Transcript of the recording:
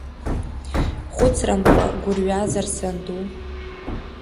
Хәыцрамкәа, гәырҩазар, санду?